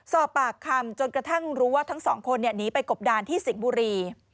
สอบปากคำจนกระทั่งรู้ว่าทั้งสองคนหนีไปกบดานที่สิงห์บุรี